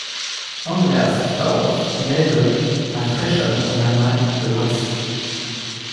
Andreas Stauff naît le à Frechen en Allemagne de l'Ouest.